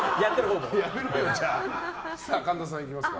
神田さんいきますか。